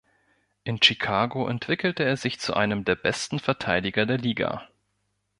In Chicago entwickelte er sich zu einem der besten Verteidiger der Liga.